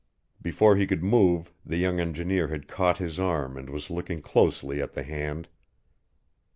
Before he could move, the young engineer had caught his arm and was looking closely at the hand.